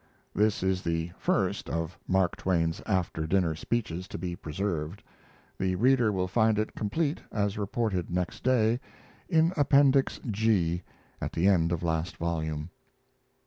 [This is the first of Mark Twain's after dinner speeches to be preserved. The reader will find it complete, as reported next day, in Appendix G, at the end of last volume.